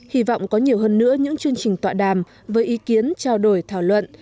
hy vọng có nhiều hơn nữa những chương trình tọa đàm với ý kiến trao đổi thảo luận